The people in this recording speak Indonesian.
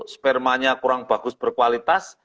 spermanya kurang bagus berkualitas